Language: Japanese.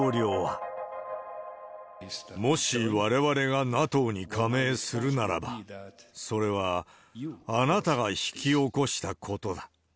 もしわれわれがＮＡＴＯに加盟するならば、それはあなたが引き起こしたことだ。